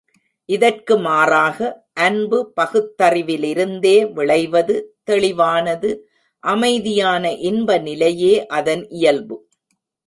இதற்கு மாறாக, அன்பு பகுத்தறிவிலிருந்தே விளைவது தெளிவானது அமைதியான இன்ப நிலையே அதன் இயல்பு.